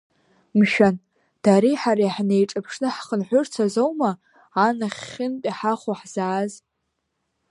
Мшәан, дареи ҳареи ҳнеиҿаԥшны ҳхынҳәырц азоума анахьхьынтәи ҳахо ҳзааз!